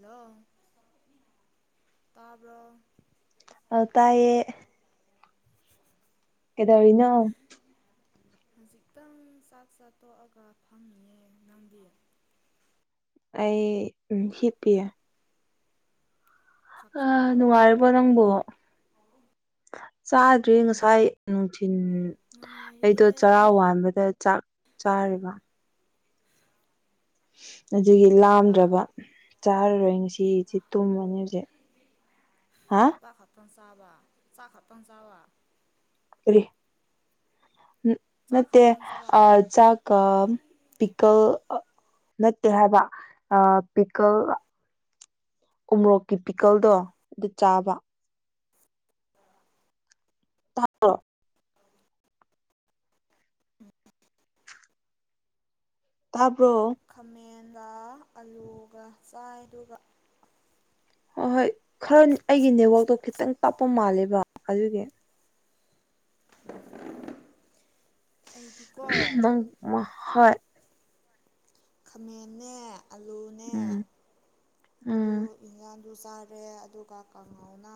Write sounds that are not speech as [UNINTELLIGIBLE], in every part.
ꯂ ꯇꯥꯕ꯭ꯔ ꯑꯗꯨ ꯇꯥꯏꯌꯦ ꯀꯦꯗꯧꯔꯤꯅꯣ ꯈꯖꯤꯛꯇꯪ ꯆꯥꯛ ꯆꯥ ꯇꯣꯛꯑꯒ ꯐꯪꯉꯑꯦ ꯅꯪꯗꯤ ꯑꯩ ꯎꯝ ꯍꯤꯞꯄꯤꯌꯦ ꯆꯥꯛ ꯑ ꯆꯥꯔꯕ ꯅꯉꯣ ꯅꯪꯕꯨ ꯆꯥꯗ꯭ꯔꯤ ꯉꯁꯥꯏ ꯅꯨꯡꯊꯤꯟ ꯑꯩꯗꯣ ꯅꯨꯡꯉꯥꯏꯔꯤꯌꯦ ꯆꯔꯥ ꯋꯥꯕꯗ ꯆꯥꯛ ꯆꯥꯔꯤꯕ ꯑꯗꯨꯒꯤ ꯇ ꯂꯥꯝꯗ꯭ꯔꯕ ꯆꯥꯔꯔꯣꯏ ꯉꯁꯤꯁꯤ ꯇꯨꯝꯃꯅꯤ ꯍꯧꯖꯤꯛ ꯍꯥ ꯆꯥꯛ ꯈꯛꯇꯪ ꯆꯥꯕ ꯆꯥꯛ ꯈꯛꯇꯪ ꯆꯥꯕ ꯔꯤ ꯆꯥꯛ ꯅꯠꯇꯦ ꯈꯛꯇꯪ ꯆꯥꯕ ꯑ ꯆꯥꯛ ꯀ ꯄꯤꯀꯦꯜ ꯅꯠꯇꯦ ꯍꯥꯏꯕ ꯄꯤꯀꯜ ꯎ ꯃꯣꯔꯣꯛꯀꯤ ꯄꯤꯀꯜꯗꯣ ꯑꯗꯨ ꯆꯥꯕ ꯊꯣ ꯇꯥꯔꯕꯣ ꯈꯥꯃꯦꯟꯗ ꯑꯂꯨꯒꯥ ꯆꯥꯏꯗꯨꯒ ꯍꯣꯏ-ꯍꯣꯏ ꯈꯔ ꯑꯩꯒꯤ ꯅꯦꯠꯋꯥꯛꯇꯣ ꯈꯤꯇꯪ ꯇꯞꯄ ꯃꯥꯜꯂꯦꯕ ꯑꯗꯨꯒꯤ ꯑꯩꯗꯤꯀꯣ ꯃꯪ ꯃꯥꯍꯣꯏ ꯈꯥꯃꯦꯟꯅꯦ ꯑꯂꯨꯅꯦ ꯎꯝ ꯂꯨ ꯎꯝ ꯌꯦꯟꯖꯥꯡꯁꯨ ꯆꯥꯔꯦ ꯑꯗꯨꯒ ꯀꯥꯡꯉꯥꯎꯅ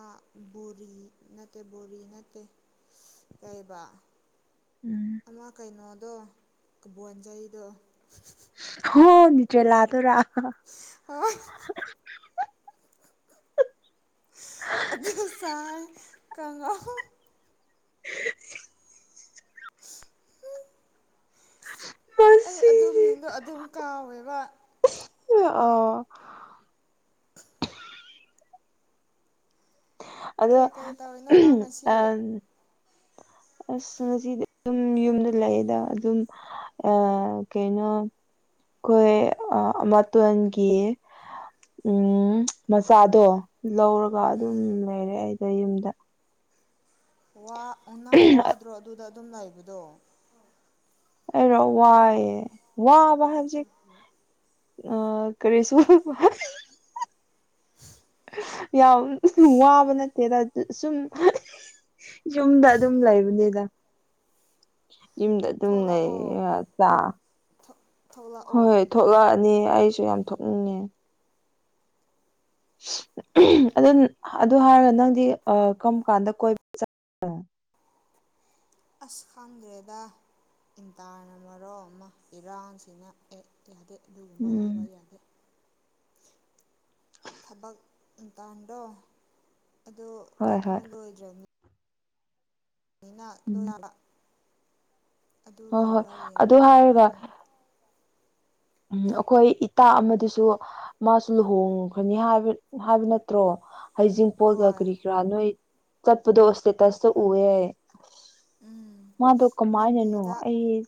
ꯕꯣꯔꯤ ꯅꯠꯇꯦ ꯕꯣꯔꯤ ꯅꯠꯇꯦ ꯇꯩꯕ ꯎꯝ ꯑꯃ ꯀꯩꯅꯣꯗꯣꯕꯣꯟꯖꯩꯗꯣ ꯍ ꯅꯤꯡꯅꯤꯗ꯭ꯔꯦ ꯂꯥꯛ ꯑꯗꯨꯔ ꯑꯣꯥꯏ ꯑꯗꯨ ꯁꯥꯏ ꯀꯉ ꯍ ꯑꯩ ꯑꯗꯨ ꯃꯤꯡꯗꯣ ꯑꯗꯨꯝ ꯀꯥꯎꯋꯦꯕ ꯑꯣ ꯑꯗꯨ ꯀꯩꯀꯩ ꯇꯧꯔꯤꯅꯣ ꯅꯪ ꯉꯁꯤ ꯑꯥ ꯑꯁ ꯑꯗꯨꯗꯤ ꯌꯨꯝ- ꯌꯨꯝꯗ ꯂꯩꯌꯦꯗꯥ ꯑꯗꯨꯝ ꯑ ꯀꯩꯅꯣ ꯑꯩꯈꯣꯏ ꯃꯇꯣꯟꯣꯟꯒꯤ ꯎꯝ ꯃꯆꯥꯗꯣ ꯂꯧꯔꯥꯒ ꯑꯗꯨꯝ ꯎꯝ ꯂꯩꯔꯦ ꯑꯩꯗꯣ ꯌꯨꯝꯗ ꯋꯥ ꯅꯪ ꯋꯥꯗ꯭ꯔꯣ ꯑꯗꯨꯗ ꯑꯗꯨꯝ ꯂꯩꯕꯗꯣ ꯑꯦꯔ ꯋꯥꯏ ꯋꯥꯖꯤ ꯑ ꯀꯔꯤꯁꯨ ꯌꯥꯎ ꯋꯥꯕ ꯅꯠꯇꯦꯗ ꯗꯨ ꯁꯨꯝ ꯌꯨꯝꯗ ꯑꯗꯨꯝ ꯂꯩꯕꯅꯤꯗ ꯌꯨꯝꯗ ꯑꯗꯨꯝ ꯂꯩ ꯊꯣꯛꯂꯛꯑꯣ ꯍꯥ ꯇꯥ ꯊꯣꯛꯂꯛꯑꯣ ꯍꯣꯏ ꯊꯣꯛꯂꯛꯑꯥꯅꯤ ꯑꯩꯁꯨ ꯌꯥꯝ ꯊꯣꯛꯅꯤꯡꯉꯦ ꯎꯝ ꯑꯗꯨ-ꯑꯗꯨ ꯍꯥꯏꯔꯒ ꯅꯪꯗꯤ ꯑꯥ ꯀꯔꯝ ꯀꯥꯟꯗ ꯀꯣꯏꯕ ꯆꯠꯅꯣ ꯑꯁꯥꯡꯒꯦꯗꯥ ꯏꯟꯇꯥꯅ ꯃꯔꯣꯟ ꯑꯃ ꯏꯔꯥꯡꯁꯤꯅ ꯑꯦ ꯀꯦ ꯑꯗꯨꯒꯨꯝꯕ ꯎꯝ ꯍꯥꯏꯕ ꯌꯥꯗꯦ ꯊꯕꯛ ꯇꯥꯟꯗꯣ ꯑꯗꯨ ꯍꯣꯏ ꯀꯩꯅꯥ ꯍꯣꯏ ꯂꯣꯏꯗ꯭ꯔꯥꯅꯤ ꯃꯤꯅ ꯎꯝ ꯂꯣꯏꯌꯥꯕ ꯑꯗꯨ ꯍꯣꯏ ꯍꯣꯏ ꯂꯣꯏꯔꯒ ꯌꯦꯡꯕ ꯑꯗꯨ ꯍꯥꯏꯔꯒ ꯇꯥꯕꯅꯤ ꯎꯝ ꯑꯈꯣꯏ ꯏꯇꯥ ꯑꯃꯗꯨꯁꯨ ꯃꯥꯁꯨ ꯂꯨꯍꯣꯡꯈꯥꯅꯤꯕ ꯍꯥꯏꯕ ꯅꯠꯇ꯭ꯔꯣ ꯍꯩꯖꯤꯡ ꯄꯣꯠꯒ ꯍꯣꯏ ꯀꯔꯤ ꯔꯥꯅꯨꯏ ꯆꯠꯄꯗꯣ ꯏꯁꯇꯦꯇꯁꯇ ꯎꯌꯦ ꯎꯝ ꯃꯥꯗꯣ ꯀꯃꯥꯏꯅꯅꯣ ꯃꯟꯗꯦꯗ ꯑꯩ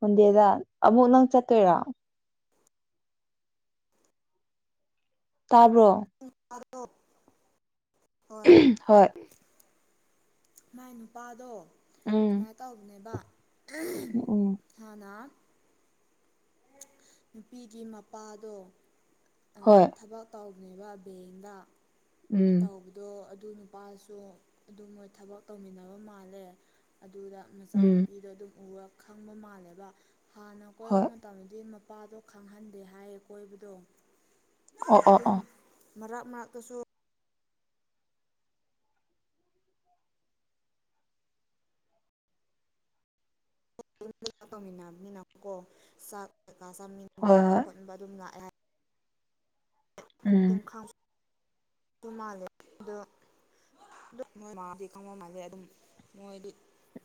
ꯃꯟꯗꯦꯗ ꯑꯃꯨꯛ ꯅꯪ ꯆꯠꯇꯣꯏꯔꯥ ꯇꯔꯣ [UNINTELLIGIBLE] ꯍꯣꯏ ꯍꯣꯏ ꯃꯥꯏ ꯅꯨꯄꯥꯗꯣ ꯎꯝ ꯁꯨꯃꯥꯏ ꯇꯧꯕꯅꯦꯕ ꯎꯝ ꯎꯝ ꯍꯥꯟꯅ ꯅꯨꯄꯤꯒꯤ ꯃꯄꯥꯗꯣ ꯍꯣꯏ ꯊꯕꯛ ꯇꯧꯕꯅꯦꯕ ꯕꯦꯡꯗ ꯎꯝ ꯇꯧꯕꯗꯣ ꯑꯗꯨ ꯅꯨꯄꯥꯁꯨ ꯑꯗꯨꯝ ꯃꯣꯏ ꯊꯕꯛ ꯇꯧꯃꯤꯟꯅꯕ ꯃꯥꯜꯂꯦ ꯑꯗꯨꯗ ꯎꯝ ꯃꯆꯥꯅꯨꯄꯤꯗꯣ ꯑꯗꯨꯝ ꯎꯔꯥ ꯈꯪꯕ ꯃꯥꯜꯂꯦꯕ ꯍꯥꯟꯅ ꯀꯣꯏꯕ ꯍꯣꯏ ꯃꯥ ꯇꯝꯗꯤ ꯃꯄꯥꯗꯣ ꯈꯪꯍꯟꯗꯦ ꯍꯥꯏꯌꯦ ꯀꯣꯏꯕꯗꯣ ꯑꯣ ꯑꯣ ꯑꯗꯨꯝ ꯑꯣ ꯃꯔꯛ ꯃꯅꯥꯛꯀꯁꯨ ꯥꯛ ꯇꯧꯃꯤꯟꯅꯃꯤ ꯀꯣ ꯆꯥꯛ ꯀꯩꯀꯥ ꯍꯣꯏ ꯆꯥꯃꯤꯟꯅꯕ ꯍꯣꯏ ꯈꯣꯠꯅꯕ ꯑꯗꯨꯝ ꯂꯥꯛꯑꯦ ꯍꯥꯏ ꯎꯝ ꯑꯗꯨꯝ ꯈꯥꯝ ꯑꯗꯨ ꯃꯥꯜꯂꯦ ꯑꯗꯨ ꯅꯣꯏ ꯃꯥꯗꯤ ꯈꯪꯕ ꯃꯥꯜꯁꯦ ꯑꯗꯨꯝ ꯃꯣꯏꯗꯤ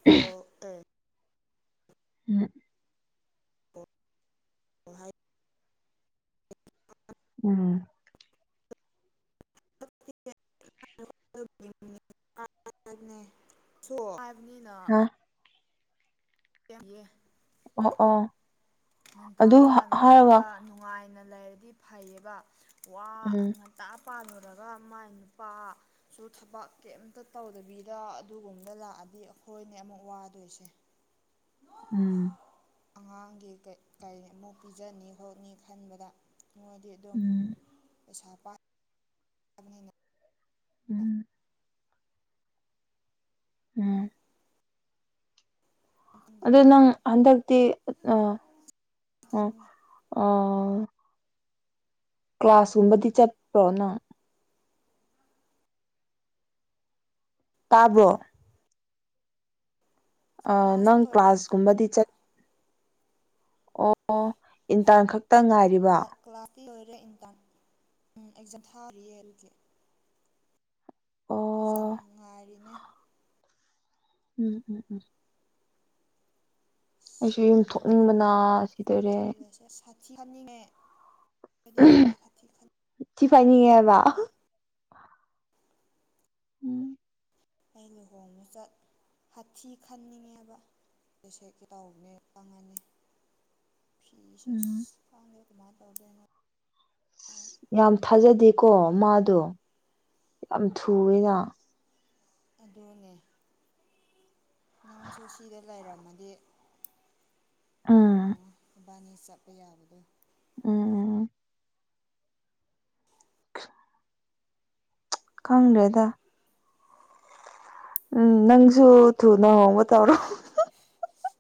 ꯎꯝ ꯑꯣ ꯑꯦ [UNINTELLIGIBLE] ꯍ ꯍꯥꯏ ꯎꯝ [UNINTELLIGIBLE] ꯁꯣꯛ ꯍꯥꯏꯕꯅꯤꯅ ꯑ ꯌꯥꯦ ꯑꯣ ꯑꯣ ꯑꯣ ꯉꯟꯇꯥ ꯑꯗꯨ ꯍꯥꯏꯔꯒ ꯄꯥꯜꯂꯨꯔꯒ ꯅꯨꯡꯉꯥꯏꯅ ꯂꯩꯔꯗꯤ ꯐꯩꯌꯦꯕ ꯋꯥ ꯎꯝ ꯇꯥ ꯄꯥꯊꯨꯔꯒ ꯃꯥꯏ ꯅꯨꯄꯥ ꯁꯨ ꯊꯕꯛ ꯀꯦꯝꯇ ꯇꯧꯗꯕꯤꯗ ꯑꯗꯨꯒꯨꯝꯗ ꯂꯥꯛꯑꯗꯤ ꯑꯈꯣꯏꯅꯦ ꯑꯃꯨꯛ ꯋꯥꯗꯣꯏꯁꯦ [UNINTELLIGIBLE] ꯎꯝ ꯑꯉꯥꯡꯒꯤ ꯀꯩ ꯀꯪ ꯑꯃꯨꯛ ꯄꯤꯖꯅꯤ ꯈꯣꯠꯅꯤ ꯈꯟꯕꯗ ꯅꯣꯏꯗꯤ ꯑꯗꯨꯝ ꯎꯝ ꯄꯩꯁꯥ ꯄꯥꯏ ꯕ ꯅꯤꯅꯗꯨꯝ ꯎꯝ ꯎꯝ ꯈꯪꯗꯦ ꯑꯗꯣ ꯅꯪ ꯃꯣꯏꯗꯤ ꯍꯟꯗꯛꯇꯤ ꯑ ꯑ ꯈꯟꯉꯤ ꯑ ꯀ꯭ꯂꯥꯁ ꯀꯨꯝꯕꯗꯤ ꯆꯠꯄ꯭ꯔꯣ ꯅꯪ ꯇꯥꯕ꯭ꯔꯣ ꯑꯥ ꯀ꯭ꯂꯥꯁꯇꯤ ꯅꯪ ꯂꯣꯏꯔꯦ ꯀ꯭ꯂꯥꯁ ꯀꯨꯝꯕꯗꯤ ꯆꯠ ꯑꯣ ꯏꯟꯇꯔꯟ ꯈꯛꯇ ꯉꯥꯏ ꯀ꯭ꯂꯥ-ꯀ꯭ꯂꯥꯁꯇꯤ ꯂꯣꯏꯔꯦ ꯏꯟꯇꯥꯝ ꯎꯝ ꯑꯦꯛꯖꯥꯝ ꯊꯥꯔꯤꯌꯦ ꯑꯗꯨꯒꯤ ꯑꯣ ꯑꯦꯛꯖꯥꯝ ꯉꯥꯏꯔꯤꯅꯦ ꯎꯝ-ꯎꯝ-ꯎꯝ ꯑꯩꯁꯨ ꯌꯨꯝ ꯊꯣꯛꯅꯤꯡꯕꯅ ꯁꯤꯗꯨꯏꯔꯦ ꯁꯥꯇꯤ ꯈꯥꯅꯤꯡꯉꯦ ꯑꯩꯗꯤ ꯌꯥꯗꯥ ꯍꯥꯊꯤ ꯈꯟ ꯊꯤꯐꯥꯏꯅꯤꯉꯦꯕ ꯎꯝ ꯑꯩ ꯂꯨꯍꯣꯡꯕ ꯆꯠ ꯍꯥꯊꯤ ꯈꯟꯅꯤꯡꯉꯦꯕ [UNINTELLIGIBLE] ꯇꯧꯕꯅꯦ ꯇꯪꯉꯅꯤ ꯐꯤꯁꯦ ꯎꯝ ꯑꯁ ꯈꯪꯗꯦ ꯀꯃꯥꯏ ꯇꯧꯗꯣꯏꯅꯣ ꯌꯥꯝ ꯊꯥꯖꯗꯦꯀꯣ ꯃꯥꯗꯨ ꯌꯥꯝ ꯊꯨꯑꯦꯅ ꯑꯗꯨꯅꯦ ꯅꯪꯁꯨ ꯁꯤꯗ ꯂꯩꯔꯝꯃꯗꯤ ꯎꯝ ꯑꯣ ꯏꯕꯥꯅꯤ ꯆꯠꯄ ꯌꯥꯕꯗꯣ ꯎꯝ ꯈꯪꯗ꯭ꯔꯦꯗ ꯎꯝ ꯅꯪꯁꯨꯨ ꯊꯨꯅꯥ ꯍꯣꯡꯕ ꯇꯧꯔꯣ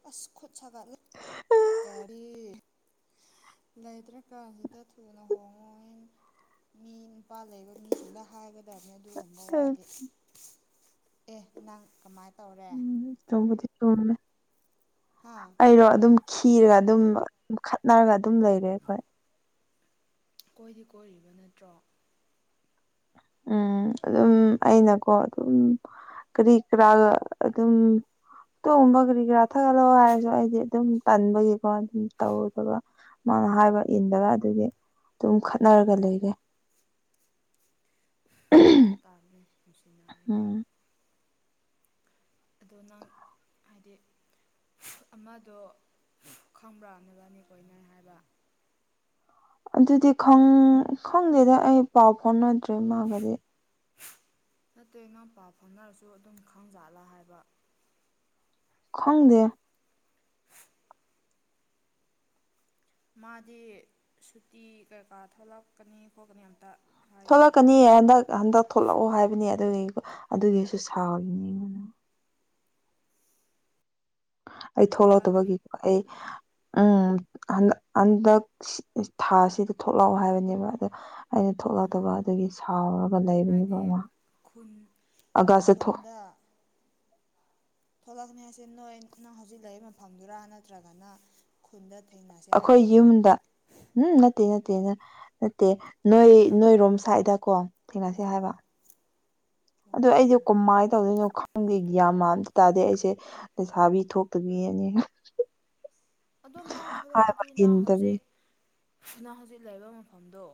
ꯑꯁ ꯈꯨꯠ ꯁꯥꯒꯠꯂꯦ ꯀꯔꯤ ꯂꯩꯇ꯭ꯔꯀꯥꯟꯁꯤꯗ ꯊꯨꯅ ꯍꯣꯡꯉꯣꯌꯦ ꯃꯤ ꯅꯨꯄꯥ ꯂꯩꯕ ꯃꯤꯁꯤꯡꯗ ꯍꯥꯏꯕ [UNINTELLIGIBLE] ꯑꯗꯨꯒꯨꯝꯕ ꯋꯥꯗꯤ ꯑꯦ ꯅꯪ ꯀꯃꯥꯏ ꯇꯧꯔꯦ ꯎꯝ ꯆꯨꯝꯕꯨꯗꯤ ꯆꯨꯝꯃꯦ ꯍꯥꯥ ꯑꯩꯔꯣ ꯑꯗꯨꯝ ꯈꯤꯔꯒ ꯑꯗꯨꯝ ꯈꯠꯅꯔꯒ ꯑꯗꯨꯝ ꯂꯩꯔꯦ ꯑꯩꯈꯣꯏ ꯀꯣꯏꯗꯤ ꯀꯣꯏꯔꯤꯕ ꯅꯠꯇ꯭ꯔꯣ ꯎꯝ ꯑꯗꯨꯝ ꯑꯩꯅꯀꯣ ꯑꯗꯨꯝ ꯀꯔꯤ ꯀꯔꯥꯒ ꯑꯗꯨꯝ ꯇꯨꯒꯨꯕ ꯀꯔꯤ ꯀꯔꯥ ꯊꯛꯒꯠꯂꯣ ꯍꯥꯏꯔꯁꯨ ꯑꯩꯗꯤ ꯑꯗꯨꯝ ꯇꯟꯕꯒꯤꯀꯣ ꯑꯗꯨꯝ ꯇꯧꯗꯕ ꯃꯥꯅ ꯍꯥꯏꯕ ꯏꯟꯗꯕ ꯑꯗꯨꯗꯤ ꯑꯗꯨꯝ ꯈꯠꯅꯔꯒ ꯂꯩꯔꯦ [UNINTELLIGIBLE] ꯈꯠꯅꯥ ꯇꯥꯝꯅꯦ ꯅꯨꯡꯁꯤꯅꯔꯗꯤ ꯎꯝ ꯑꯗꯣ ꯅꯪ ꯍꯥꯏꯗꯤ ꯑꯃꯗꯣ ꯈꯪꯕ꯭ꯔꯥ ꯅꯣꯏꯕꯅꯤ ꯀꯣꯏꯅꯩ ꯍꯥꯏꯕ ꯑꯗꯨꯗꯤ ꯈꯪ ꯈꯪꯗꯦꯗ ꯑꯩ ꯄꯥꯎ ꯐꯥꯎꯅꯗ꯭ꯔꯦ ꯃꯥꯒꯗꯤ ꯅꯠꯇꯦ ꯅꯪ ꯄꯥꯎ ꯐꯥꯎꯅꯔꯁꯨ ꯑꯗꯨꯝ ꯈꯪ ꯖꯥꯠꯂꯥ ꯍꯥꯏꯕ ꯈꯪꯗꯦ ꯃꯥꯗꯤ ꯁꯨꯇꯤ ꯀꯩꯀꯥ ꯊꯣꯛꯂꯛꯀꯅꯤ ꯈꯣꯠꯀꯅꯤ ꯑꯝꯇ ꯍꯥꯏꯗ꯭ꯔꯣ ꯊꯣꯛꯂꯛꯀꯅꯤ ꯍꯟꯗꯛ ꯍꯟꯗꯛ ꯊꯂꯛꯑꯣ ꯍꯥꯏꯕꯅꯦ ꯑꯗꯨꯒꯤ ꯑꯗꯨꯒꯤꯁꯨ ꯁꯥꯎꯔꯤꯅꯦ ꯑꯩꯉꯣꯟꯅ ꯑꯩ ꯊꯣꯛꯂꯛꯀꯅꯤ ꯊꯣꯛꯂꯛꯇꯕꯒꯤꯀꯣ ꯑꯩ ꯎꯝ ꯍꯟ ꯍꯟꯗꯛ ꯊꯥꯁꯤꯗ ꯊꯣꯛꯂꯛꯑꯣ ꯍꯥꯏꯕꯅꯦꯕ ꯑꯗꯣ ꯑꯩꯅ ꯊꯣꯛꯂꯛꯇꯕ ꯑꯗꯒꯤ ꯁꯥꯎꯔꯒ ꯂꯩꯕꯅꯦꯕ ꯍꯥꯏꯗꯤ ꯑꯃ ꯈꯨꯟ ꯑꯒꯥ ꯆꯠꯊꯣꯛ ꯈꯨꯟꯗ ꯊꯣꯛꯂꯛꯀꯅꯤ ꯍꯥꯏꯁꯦ ꯅꯣꯏ ꯅꯪ ꯍꯧꯖꯤꯛ ꯂꯩ ꯃꯐꯝꯗꯨꯔꯥ ꯅꯠꯇ꯭ꯔꯒꯅ ꯈꯨꯟꯗ ꯊꯦꯡꯅꯁꯦ ꯍꯥꯏꯔꯣ ꯗ ꯎꯝ ꯅꯠꯇ ꯅꯠꯇ ꯅꯠꯇꯦ ꯅꯣꯏ ꯅꯣꯏꯔꯣꯝ ꯁ꯭ꯋꯥꯏꯗ ꯀꯣ ꯊꯦꯡꯅꯁꯤ ꯍꯥꯏꯕ ꯑꯣ ꯑꯣ ꯑꯗꯨꯗ ꯑꯣ ꯑꯩꯁꯣ ꯑꯣ ꯀꯃꯥꯏꯅ ꯇꯧꯗꯣꯏꯅꯣ ꯈꯪꯗꯦ ꯌꯥꯝ꯭ꯃꯇ ꯇꯥꯗꯦ ꯑꯩꯁꯦ ꯁꯥꯥꯕꯤ ꯊꯣꯇꯕꯤꯅꯤ ꯑꯗꯨꯝ ꯃꯥ ꯊꯣꯛꯂꯛꯑꯗꯤ ꯅ ꯍꯧꯖꯤꯛ ꯁꯤꯅ ꯍꯧꯖꯤꯛ ꯂꯩꯕ ꯃꯐꯝꯗꯣ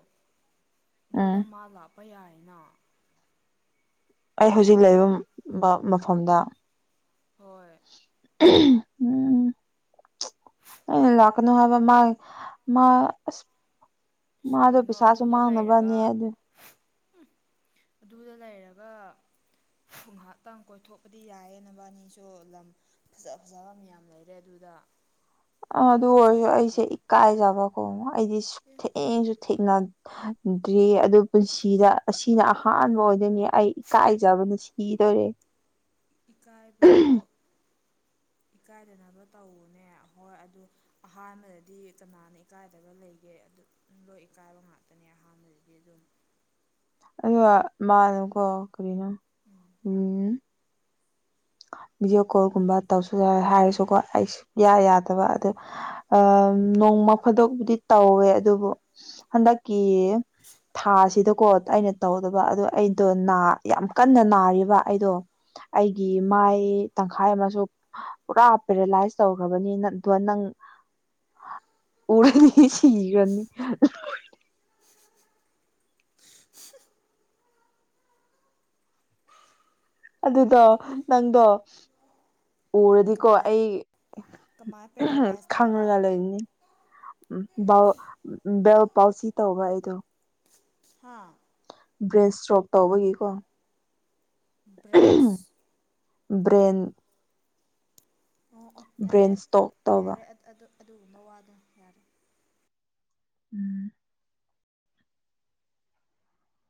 ꯑꯗꯨꯗ ꯎꯝ ꯃꯥ ꯂꯥꯛꯄ ꯌꯥꯏꯅ ꯑꯩ ꯍꯧꯖꯤꯛ ꯂꯩꯕ ꯃ ꯃꯐꯝꯗ ꯍꯣꯏ ꯎꯝ ꯑ ꯂꯥꯛꯅ ꯍꯥꯏꯕ ꯃꯥ ꯃꯥ ꯑꯁ ꯃꯥꯗꯣ ꯄꯩꯁꯥꯁꯨ ꯃꯥꯡꯅꯕꯅꯦ ꯑꯗꯨ ꯎ ꯑꯗꯨꯗ ꯂꯩꯔꯒ ꯉꯥꯏꯍꯥꯛꯇꯪ ꯀꯣꯏꯊꯣꯛꯄꯗꯤ ꯌꯥꯏꯌꯦꯅꯕꯥꯅꯤꯁꯨ ꯂꯝ ꯐꯖ ꯐꯖꯕ ꯃꯌꯥꯝ ꯂꯩꯔꯦ ꯑꯗꯨꯗ ꯑꯗꯨ ꯑꯗꯨꯐꯥꯎ ꯑꯣꯏꯔꯁꯨ ꯆꯠꯇ꯭ꯔꯗꯤ ꯑꯩꯁꯦ ꯏꯀꯥꯏꯖꯕ ꯈꯣꯡ ꯑꯩꯗꯤ ꯑꯦ ꯊꯦꯡꯁꯨ ꯊꯦꯡꯅ ꯗ꯭ꯔꯤ ꯑꯗꯨ ꯄꯨꯟꯁꯤꯗ ꯑꯁꯤꯅ ꯑꯍꯥꯟꯕ ꯑꯣꯏꯗꯣꯏꯅꯤ ꯑꯩ ꯏꯀꯥꯏꯖꯕꯅ ꯁꯤꯗꯣꯏꯔꯦ ꯏꯀꯥꯏꯕꯗꯣ ꯏꯀꯥꯏꯗꯅꯕ ꯇꯧꯅꯦ ꯍꯣꯏ ꯑꯗꯨ ꯑꯍꯥꯟꯕꯗꯗꯤ ꯀꯅꯥꯅ ꯏꯀꯥꯏꯗꯒ ꯂꯩꯒꯦ ꯑꯗꯨ ꯂꯣꯏ ꯏꯀꯥꯏꯕ ꯉꯥꯛꯇꯅꯦ ꯑꯍꯥꯟꯕꯗꯗꯤ ꯑꯗꯨꯝ ꯑꯗꯨꯒ ꯃꯥꯅꯨꯀꯣ ꯀꯔꯤꯅꯣ ꯎꯝ ꯚꯤꯗꯤꯑꯣ ꯀꯣꯜꯒꯨꯝꯕ ꯇꯧꯁꯨ ꯍꯥꯏꯔꯁꯨꯀꯣ ꯑꯩ ꯢꯌꯥ ꯌꯥꯗꯕ ꯑꯗꯨ ꯑ ꯅꯣꯡꯃ ꯐꯗꯣꯛꯕꯨꯗꯤ ꯇꯧꯔꯦ ꯑꯗꯨꯕꯨ ꯍꯟꯗꯛꯀꯤ ꯊꯥꯁꯤꯗꯀꯣ ꯑꯩꯅ ꯇꯧꯗꯕ ꯑꯣ ꯑꯩꯗꯣ ꯌꯥꯝ ꯀꯟꯅ ꯅꯥꯔꯤꯕ ꯑꯩꯗꯣ ꯑꯩꯒꯤ ꯃꯥꯏ ꯇꯪꯈꯥꯏ ꯑꯃꯁꯨ ꯄꯨꯔꯥ ꯄꯦꯔꯥꯂꯥꯏꯁ ꯇꯧꯈ꯭ꯔꯕꯅꯤ ꯑꯗꯨꯒ ꯅꯪ ꯎꯝ ꯑꯣꯔꯅꯤ ꯁꯤ ꯑꯃꯅꯤꯅꯤ ꯑꯗꯨꯗꯣ ꯅꯪꯗꯣ ꯎꯔꯗꯤꯀꯣ ꯀꯃꯥꯏ ꯑꯩ ꯀꯃꯥꯏ ꯄꯦꯔꯦꯂꯥꯏꯁ ꯇꯧꯕ ꯈꯪꯉꯒ ꯂꯩꯅꯤ ꯎ ꯕꯦꯜ ꯄꯥꯎꯁꯤ ꯇꯧꯕ ꯑꯩꯗꯣ ꯍꯥꯥ ꯕ꯭ꯔꯦꯁ ꯏꯁꯇ꯭ꯔꯣꯛ ꯇꯧꯕꯒꯤꯀꯣ ꯭ꯔꯦꯁ ꯕ꯭ꯔꯦꯟ ꯑꯣ ꯑꯣ ꯌꯥꯔꯦ ꯕ꯭ꯔꯦꯟ ꯏꯁꯇꯣꯛ ꯇꯧꯕ ꯌꯥꯔꯦ ꯑꯗꯨꯒꯨꯝꯕ ꯋꯥꯗꯣ ꯌꯥꯔꯦ ꯎꯝ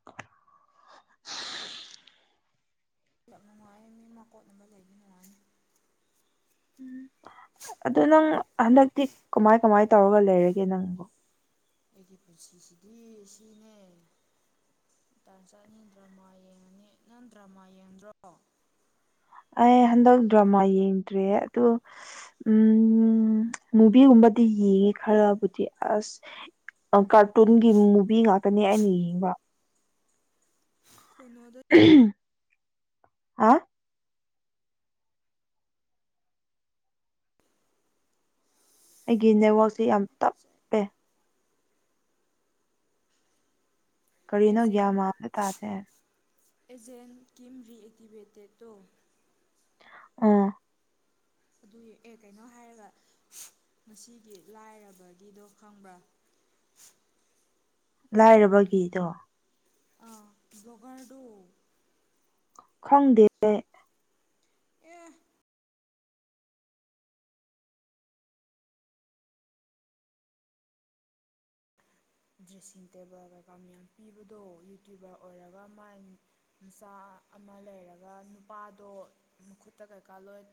[INAUDIBLE] ꯂꯞꯟꯅꯨꯡꯃꯥꯏꯟ ꯃꯀꯣꯠ ꯑꯃ ꯂꯩꯕ ꯅꯨꯡꯉꯥꯏꯅꯤ ꯎꯝ ꯑꯗꯨ ꯅꯪ ꯍꯟꯗꯛꯇꯤ ꯀꯃꯥꯏ ꯀꯃꯥꯏ ꯇꯧꯔꯒ ꯂꯩꯔꯒꯦ ꯅꯪ ꯑꯩꯒꯤ ꯄꯨꯟꯁꯤꯁꯤꯗꯤ ꯁꯤꯅꯦ ꯇꯟꯖ ꯅ ꯗ꯭ꯔꯃꯥ ꯌꯦꯡꯉꯅꯤ ꯅꯪ ꯗ꯭ꯔꯃꯥ ꯌꯦꯡꯗ꯭ꯔꯣ ꯑꯩ ꯍꯟꯗꯛ ꯗ꯭ꯔꯃꯥ ꯌꯦꯡꯗ꯭ꯔꯦ ꯑꯗꯨ ꯎꯝ ꯅꯨꯕꯤꯒꯨꯝꯕꯗꯤ ꯌꯦꯡꯉꯦ ꯈꯔꯕꯨꯗꯤ ꯑꯁ ꯀꯥꯔꯇꯨꯟꯒꯤ ꯃꯨꯚꯤ ꯉꯥꯛꯇꯅꯦ ꯑꯩꯅ ꯌꯦꯡꯕ ꯀꯩꯅꯣꯗꯣ ꯍꯥ ꯑꯩꯒꯤ ꯅꯀꯣꯛꯁꯦ ꯅꯦꯠꯋꯥꯛꯁꯦ ꯌꯥꯝ ꯇꯞ [UNINTELLIGIBLE] ꯀꯔꯤꯅꯣ ꯒ꯭ꯌꯥꯟ ꯑꯦꯖꯦꯟ ꯃꯥꯟ ꯑꯝꯇ ꯇꯥꯗꯦ ꯑꯦꯖꯦꯟ ꯀꯤꯝ ꯔꯤꯑꯦꯛꯇꯤꯚꯦꯇꯦꯠ ꯇꯣ ꯑ ꯑꯗꯨ ꯑꯦ ꯀꯩꯅꯣ ꯍꯥꯏꯔꯒ ꯉꯁꯤꯒꯤ ꯂꯥꯏꯔꯕꯒꯤꯗꯣ ꯈꯪꯕ꯭ꯔꯥ ꯂꯥꯏꯔꯕꯒꯤꯗꯣ ꯑ ꯕ꯭ꯂꯒꯔꯗꯨꯣ ꯈꯪꯗꯦ ꯑꯦ ꯗ꯭ꯔꯦꯁꯁꯤꯡ ꯇꯦꯕꯜ ꯀꯩꯀꯥ ꯃꯌꯥꯝ ꯄꯤꯕꯗꯣ ꯌꯨꯇ꯭ꯌꯨꯕꯔ ꯑꯣꯏꯔꯒ ꯃꯥꯏ ꯃꯆꯥ ꯑꯃ ꯂꯩꯔꯒ ꯅꯨꯄꯥꯗꯣ ꯃꯈꯨꯠꯇ ꯀꯩꯀꯥ ꯂꯣꯏ